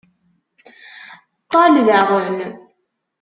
Ṭṭal daɣen!